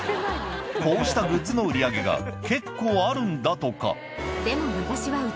こうしたグッズの売り上げが結構あるんだとかでも。